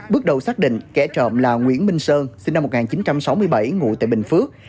bước đầu xác định kẻ trộm là nguyễn minh sơn sinh năm một nghìn chín trăm sáu mươi bảy ngụ tại bình phước